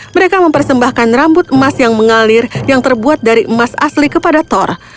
mereka mempersembahkan rambut emas yang mengalir yang terbuat dari emas asli kepada thor